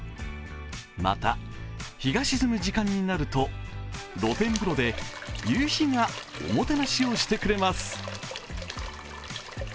また日が沈む時間になると露天風呂で夕日がおもてなしをしてくれます。